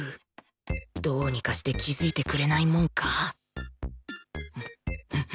どうにかして気づいてくれないもんか